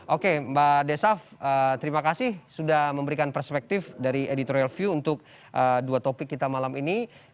oke mbak desaf terima kasih sudah memberikan perspektif dari editorial view untuk dua topik kita malam ini